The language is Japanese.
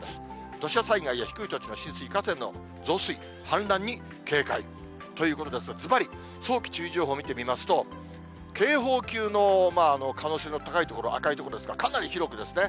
土砂災害や低い土地の浸水、河川の増水、氾濫に警戒ということですが、ずばり、早期注意情報見てみますと、警報級の可能性の高い所、赤い所ですが、かなり広いですね。